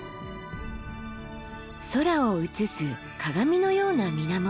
空を映す鏡のような水面。